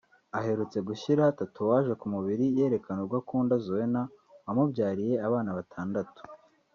aherutse gushyira tatuwaje ku mubiri yerekana urwo akunda Zuena wamubyariye abana batandatu